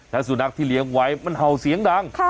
และสุนัขที่เลี้ยงไว้มันเห่าเสียงดัง